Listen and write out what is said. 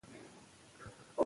سندرې د فشار هورمون کموي.